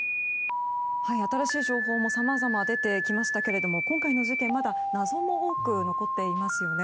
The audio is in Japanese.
新しい情報もさまざま出てきましたが今回の事件、まだ謎も多く残っていますよね。